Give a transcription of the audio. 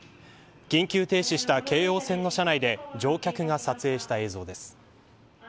緊急停止した京王線の車内で乗客が撮影した映像です。